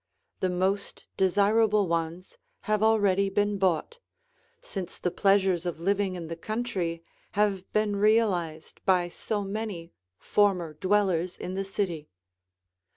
The most desirable ones have already been bought, since the pleasures of living in the country have been realized by so many former dwellers in the city.